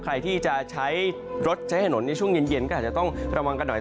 ใครที่จะใช้รถใช้ถนนในช่วงเย็นก็อาจจะต้องระวังกันหน่อย